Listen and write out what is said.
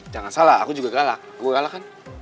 jangan salah aku juga galak